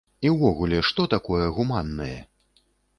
І ўвогуле, што такое гуманнае?